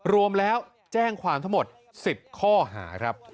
รวมแล้วแจ้งความทั้งหมด๑๐ข้อหาครับ